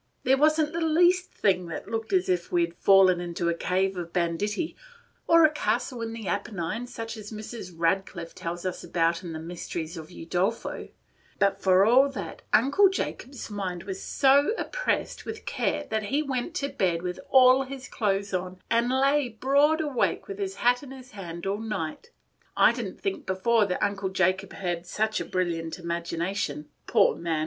There was n't the least thing that looked as if we had fallen into a cave of banditti, or a castle in the Apennines, such as Mrs. Radcliffe tells about in the Mysteries of Udolpho; but, for all that, Uncle Jacob's mind was so oppressed with care that he went to bed with all his clothes on, and lay broad awake with his hat in his hand all night. I did n't think before that Uncle Jacob had such a brilliant imagination. Poor man!